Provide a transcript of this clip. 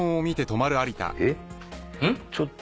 えっ？